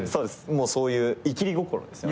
もうそういうイキり心ですよね。